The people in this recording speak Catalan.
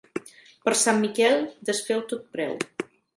Per Sant Miquel desfeu tot preu.